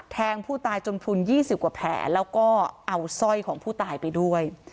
แทงผู้ตายจนพลุน๒๐กว่าแผลแล้วก็เอาสร้อยของผู้ตายไปด้วย